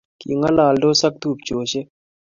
King'alandosi ak tupcheshek